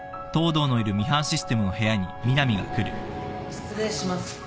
・・失礼します。